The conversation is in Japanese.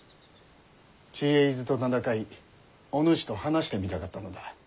「知恵伊豆」と名高いお主と話してみたかったのだ。